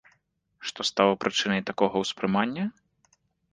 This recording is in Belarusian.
Што стала прычынай такога ўспрымання?